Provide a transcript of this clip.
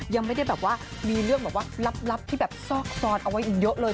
ยังไม่ได้แบบว่ามีเรื่องแบบว่าลับที่แบบซอกซ้อนเอาไว้อีกเยอะเลย